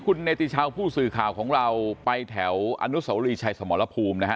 คุณเนติชาวผู้สื่อข่าวของเราไปแถวอนุสวรีชัยสมรภูมินะฮะ